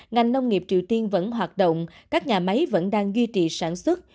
ngành nông nghiệp triều tiên vẫn hoạt động các nhà máy vẫn đang duy trì sản xuất